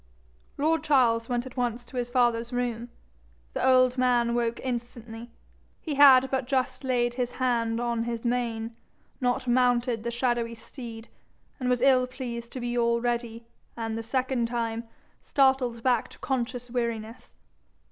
Lord Charles went at once to his father's room. The old man woke instantly. He had but just laid his hand on his mane, not mounted the shadowy steed, and was ill pleased to be already, and the second time, startled back to conscious weariness.